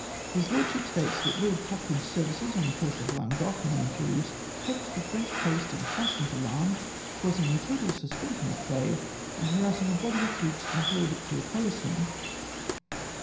His lordship states that Lord Cochrane's services on the coast of Languedoc in the Imjjerieuse "kept the French coast in con stant alarm, causing a total suspension of trade, and harassing a body of troops employed to oppose him.